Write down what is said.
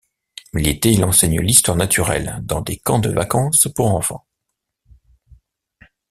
L’été, il enseigne l’histoire naturelle dans des camp de vacances pour enfants.